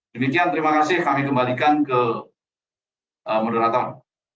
demikian terima kasih kami kembalikan ke moderator